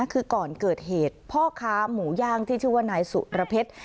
คือก่อนเกิดเหตุพ่อค้าหมูย่างที่ชื่อว่านายสุรเพชร